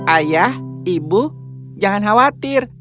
ayah ibu jangan khawatir